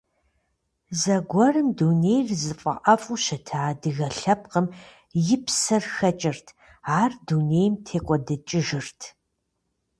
Зэгуэрым дунейр зыфӀэӀэфӀу щыта адыгэ лъэпкъым, и псэр хэкӀырт, ар дунейм текӀуэдыкӀыжырт.